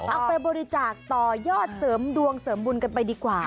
เอาไปบริจาคต่อยอดเสริมดวงเสริมบุญกันไปดีกว่า